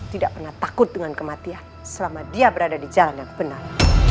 tidak pernah takut dengan kematian selama dia berada di jalan yang benar